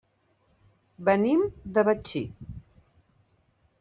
Venim de Betxí.